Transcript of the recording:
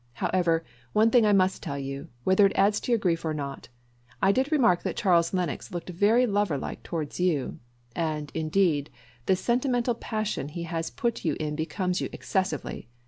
However, one thing I must tell you, whether it adds to your grief or not, I did remark that Charles Lennox looked very lover like towards you; and, indeed, this sentimental passion he has put you in becomes you excessively.